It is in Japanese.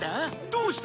どうした？